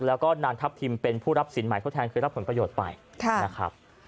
แล้วก็นางทัพทิมเป็นผู้รับสินใหม่ทดแทนคือรับผลประโยชน์ไปนะครับ